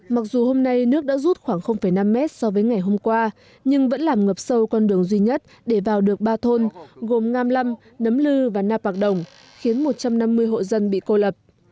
mặc dù hôm nay nước đã rút khoảng năm mét so với ngày hôm qua nhưng vẫn làm ngập sâu con đường duy nhất để vào được ba thôn gồm ngam lâm nấm lư và na bạc đồng khiến một trăm năm mươi hộ dân bị cô lập